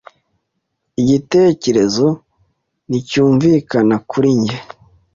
Igitekerezo nticyumvikana kuri njye.